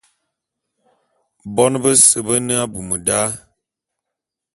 Bon bese be ne abum da.